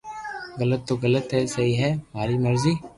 غلط تو غلط ھي سھي ھي ماري مرزي